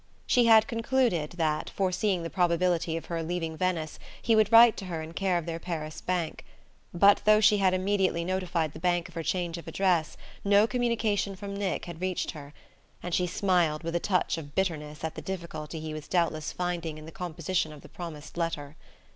She had concluded that, foreseeing the probability of her leaving Venice, he would write to her in care of their Paris bank. But though she had immediately notified the bank of her change of address no communication from Nick had reached her; and she smiled with a touch of bitterness at the difficulty he was doubtless finding in the composition of the promised letter.